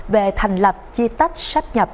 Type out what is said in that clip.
về thành lập chi tách sát nhập